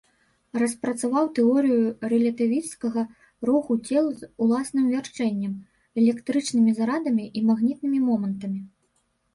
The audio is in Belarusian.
Распрацаваў тэорыю рэлятывісцкага руху цел з уласным вярчэннем, электрычнымі зарадамі і магнітнымі момантамі.